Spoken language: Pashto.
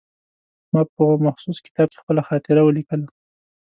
ما په مخصوص کتاب کې خپله خاطره ولیکله.